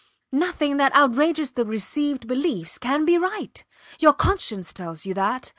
Nothing that outrages the received beliefs can be right. Your conscience tells you that.